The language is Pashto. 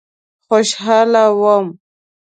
خوشاله وم.